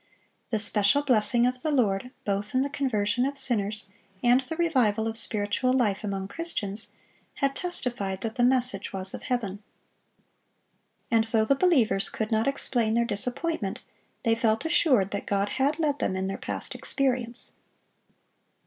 The special blessing of the Lord, both in the conversion of sinners and the revival of spiritual life among Christians, had testified that the message was of Heaven. And though the believers could not explain their disappointment, they felt assured that God had led them in their past experience.